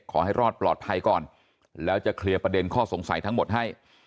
ขอให้รอดปลอดภัยก่อนแล้วจะเคลียร์ประเด็นข้อสงสัยทั้งหมดให้